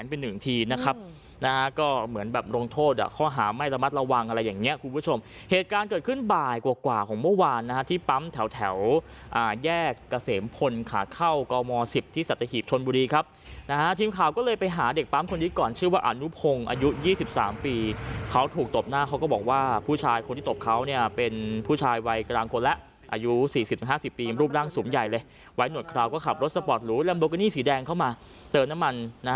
น่าก็เหมือนแบบรองโทษอ่ะเขาหาไม่ระมัดระวังอะไรอย่างเงี้ยคุณผู้ชมเหตุการณ์เกิดขึ้นบ่ายกว่าของเมื่อวานนะฮะที่ปั๊มแถวแถวเอ่อแยกเกษมพลขาดเข้ากลม๑๐ที่สัตวิทชนบุรีครับนะฮะทีมข่าวก็เลยไปหาเด็กปั๊มคนดีก่อนชื่อว่าอ่านลุภงอายุยี่สิบสามปีเขาถูกตบหน้าเขาก็บอกว่าผู้ชายคนที่ตบเขา